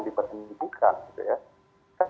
dipersendirikan gitu ya